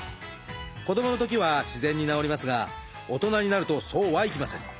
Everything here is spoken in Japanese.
子どものときは自然に治りますが大人になるとそうはいきません。